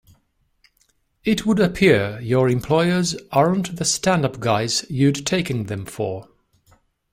It would appear your employers aren't the stand up guys you'd taken them for.